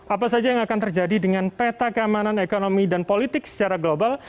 apa saja yang akan terjadi dengan peta keamanan ekonomi dan politik secara global